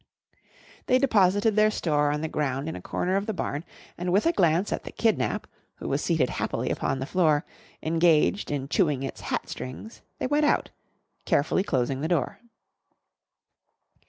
They deposited their store on the ground in a corner of the barn, and with a glance at the "kidnap," who was seated happily upon the floor engaged in chewing its hat strings, they went out, carefully closing the door.